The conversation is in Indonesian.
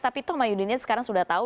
tapi tuh mahyudinnya sekarang sudah tahu